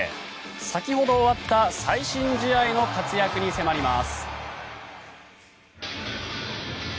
先ほど終わった最新試合の活躍に迫ります。